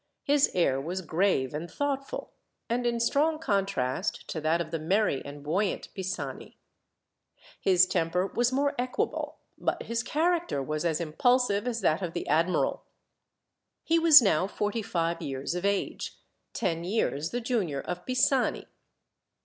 His air was grave and thoughtful, and in strong contrast to that of the merry and buoyant Pisani. His temper was more equable, but his character was as impulsive as that of the admiral. He was now forty five years of age ten years the junior of Pisani.